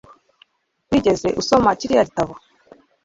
wigeze usoma kiriya gitabo